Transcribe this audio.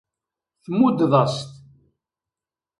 Tmuddeḍ-as-t.